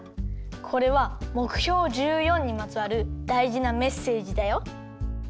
これはもくひょう１４にまつわるだいじなメッセージだよ。